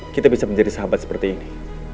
kita bisa menjadi sahabat seperti ini